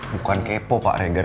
bukan kepo pak regar